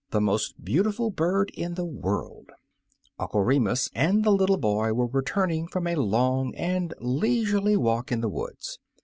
" THE MOST BEAUTIFUL BIRD , IN THE WORLD UNCLE REMUS and the little boy were returning from a long and leisurely walk in the woods.